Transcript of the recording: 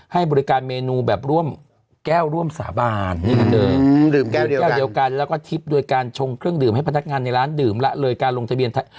ให้บริการเมนูแบบร่วมแก้วร่วมสาบานดื่มแก้วเดียวกันแล้วก็ทิพย์โดยการชงเครื่องดื่มให้พนักงานในร้านดื่มละเลยการลงทะเบียน